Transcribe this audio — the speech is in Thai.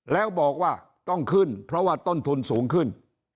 แล้วบอกว่าต้องขึ้นเพราะว่าต้นทุนสูงขึ้น